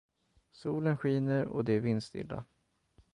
Solen skiner och det är vindstilla.